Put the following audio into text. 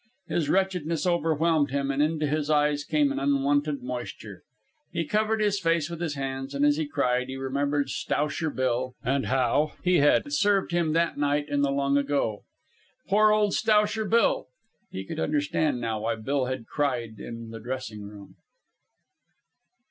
His wretchedness overwhelmed him, and into his eyes came an unwonted moisture. He covered his face with his hands, and, as he cried, he remembered Stowsher Bill and how he had served him that night in the long ago. Poor old Stowsher Bill! He could understand now why Bill had cried in the dressing room.